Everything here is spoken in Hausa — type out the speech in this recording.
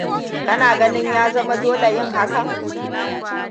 Kana ganin ya zama dole yin hakan?